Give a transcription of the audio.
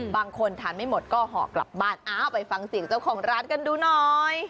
บางคนทานไม่หมดก็ห่อกลับบ้านอ้าวไปฟังเสียงเจ้าของร้านกันดูหน่อย